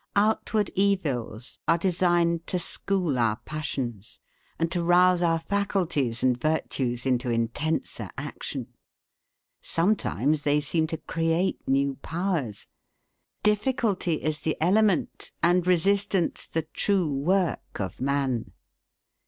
Outward evils are designed to school our passions, and to rouse our faculties and virtues into intenser action. Sometimes they seem to create new powers. Difficulty is the element, and resistance the true work of man.